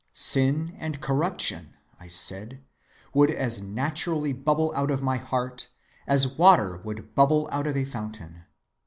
Sin and corruption, I said, would as naturally bubble out of my heart as water would bubble out of a fountain.